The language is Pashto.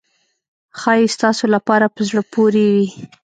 ښایي ستاسو لپاره په زړه پورې وي.